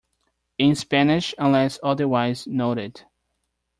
"In Spanish unless otherwise noted:"